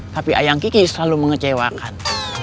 tapi ayam kiki selalu mengecewakan